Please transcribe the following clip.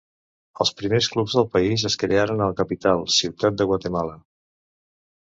Els primers clubs del país es crearen a la capital Ciutat de Guatemala.